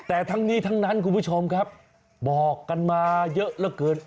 แต่ทั้งนี้ทั้งนั้นคุณผู้ชมครับบอกกันมาเยอะเหลือเกิน